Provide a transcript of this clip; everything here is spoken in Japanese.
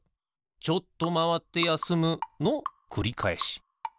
ちょっとまわってやすむのくりかえし。